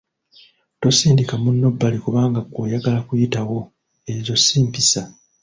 "Tosindika munno bbali kubanga ggwe oyagala kuyitawo, ezo si mpisa."